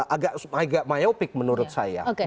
agak myopic menurut saya